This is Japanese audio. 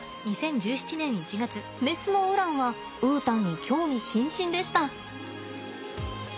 メスのウランはウータンに興味津々でした。